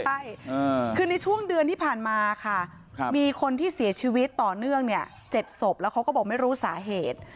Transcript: ใช่คือในช่วงเดือนที่ผ่านมาค่ะมีคนที่เสียชีวิตต่อเนื่องเนี่ย๗ศพแล้วเขาก็บอกไม่รู้สาเหตุ